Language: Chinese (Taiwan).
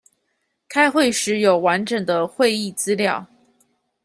開會時有完整的會議資料